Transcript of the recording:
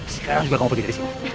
sekarang juga kamu pergi dari sini